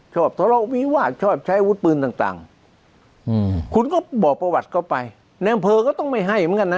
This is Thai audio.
ทะเลาะวิวาสชอบใช้อาวุธปืนต่างคุณก็บอกประวัติเข้าไปในอำเภอก็ต้องไม่ให้เหมือนกันนะ